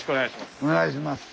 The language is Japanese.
お願いします。